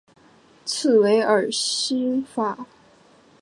茨韦尔法克兴是奥地利下奥地利州维也纳城郊县的一个市镇。